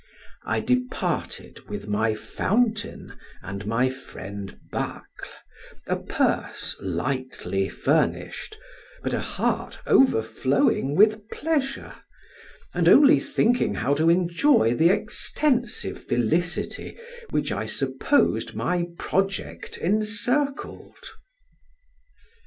I departed with my fountain and my friend Bacle, a purse lightly furnished, but a heart over flowing with pleasure, and only thinking how to enjoy the extensive felicity which I supposed my project encircled.